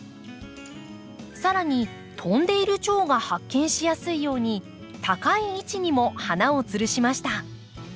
更に飛んでいるチョウが発見しやすいように高い位置にも花をつるしました。